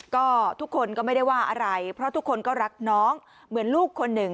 ก็ทุกคนก็ไม่ได้ว่าอะไรเพราะทุกคนก็รักน้องเหมือนลูกคนหนึ่ง